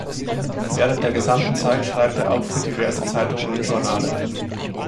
Während der gesamten Zeit schreibt er auch für diverse Zeitungen und Journale.